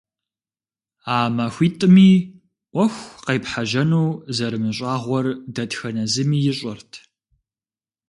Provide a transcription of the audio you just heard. А махуитӀыми Ӏуэху къепхьэжьэну зэрымыщӀагъуэр дэтхэнэ зыми ищӀэрт.